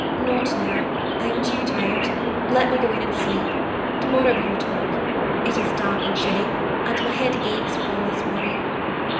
"Not now; I am too tired. Let me go in and sleep. Tomorrow we will talk. It is damp and chilly, and my head aches with all this worry."